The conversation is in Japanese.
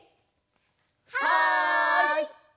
はい！